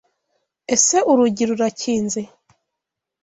Ese Urugi rurakinze .